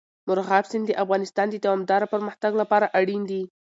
مورغاب سیند د افغانستان د دوامداره پرمختګ لپاره اړین دي.